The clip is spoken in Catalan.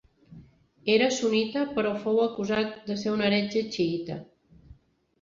Era sunnita però fou acusat de ser un heretge xiïta.